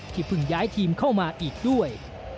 เพิ่งย้ายทีมเข้ามาอีกด้วย